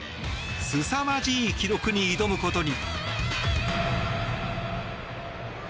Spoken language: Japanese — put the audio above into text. すさまじい記録に挑むことに。